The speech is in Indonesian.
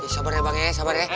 sabar ya bang ya sabar ya